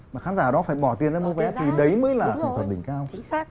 mà khán giả đó phải bỏ tiền để mua vé thì đấy mới là nghệ thuật đỉnh cao